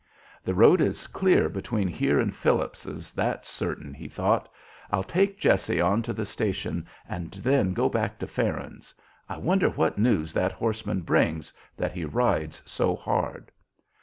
"The road is clear between here and Phillips's, that's certain," he thought. "I'll take Jessie on to the station, and then go back to Farron's. I wonder what news that horseman brings, that he rides so hard."